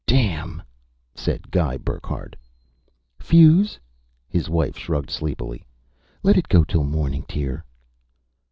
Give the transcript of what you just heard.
"Damn!" said Guy Burckhardt. "Fuse?" His wife shrugged sleepily. "Let it go till the morning, dear."